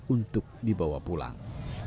untuk dibawa pulang